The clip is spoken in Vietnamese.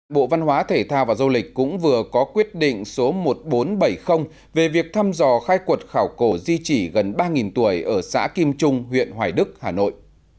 bộ văn hóa thể thao và du lịch cũng vừa có quyết định số một nghìn bốn trăm bảy mươi về việc thăm dò khai quật khảo cổ di chỉ gần ba tuổi ở xã kim trung huyện hoài đức hà nội